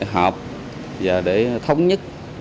hợp và để thống nhất